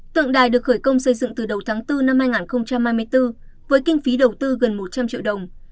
tượng đài được khởi công xây dựng từ đầu tháng bốn năm hai nghìn hai mươi bốn với kinh phí đầu tư gần một trăm linh triệu đồng